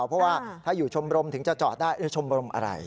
เพราะว่าถ้าอยู่ชมรมถึงจะจอดได้ชมรมอะไร